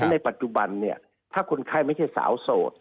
ในปัจจุบันเนี่ยถ้าคนไข้ไม่ใช่สาวโสด